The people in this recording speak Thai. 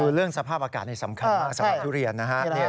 คือเรื่องสภาพอากาศนี่สำคัญมากสำหรับทุเรียนนะฮะ